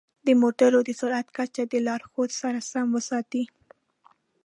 د موټرو د سرعت کچه د لارښود سره سم وساتئ.